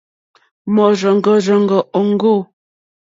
Mɔ̀rzɔ̀ŋɡɔ̀rzɔ̀ŋɡɔ̀ òŋɡô.